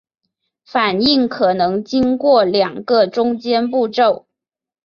反应可能经过两个中间步骤。